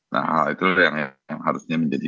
nah hal itu yang harusnya menjadi